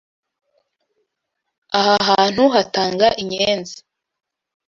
Aha hantu hatanga inyenzi.